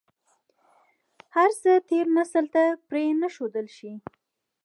هر څه تېر نسل ته پرې نه ښودل شي.